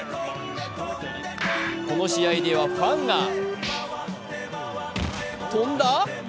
この試合ではファンが飛んだ？